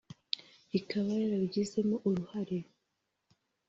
ikaba yarabigizemo uruhare